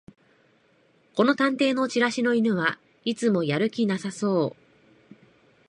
この探偵のチラシの犬はいつもやる気なさそう